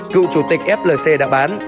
cựu chủ tịch flc đã bán